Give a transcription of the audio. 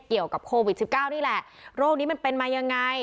เกี่ยวกับโควิด๑๙นี่แหละโรคนี้มันเป็นมายังไง